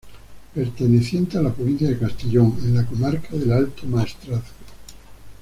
Perteneciente a la provincia de Castellón, en la comarca del Alto Maestrazgo.